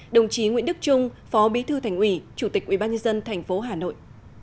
đồng chí nguyễn đức trung phó bí thư thành ủy chủ tịch ubnd tp hà nội